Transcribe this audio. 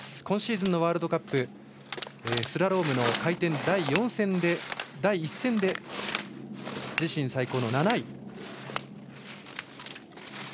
今シーズンのワールドカップスラロームの回転第１戦で自身最高の７位。